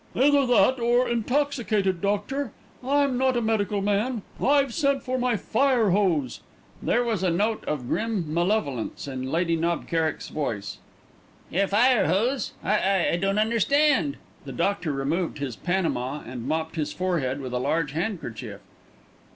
"Either that or intoxicated, doctor. I'm not a medical man. I've sent for my fire hose." There was a note of grim malevolence in Lady Knob Kerrick's voice. "Your fire hose? I I don't understand!" The doctor removed his panama and mopped his forehead with a large handkerchief.